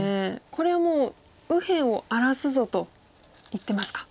これもう右辺を荒らすぞと言ってますか。